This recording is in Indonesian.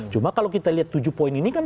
cuma kalau kita lihat tujuh poin ini kan